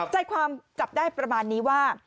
ใจความจับได้ประมาณนี้ว่า